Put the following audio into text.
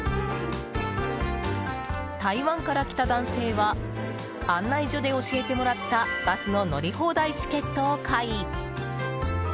台湾から来た男性は案内所で教えてもらったバスの乗り放題チケットを買い。